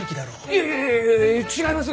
いやいやいや違います！